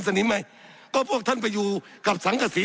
สับขาหลอกกันไปสับขาหลอกกันไป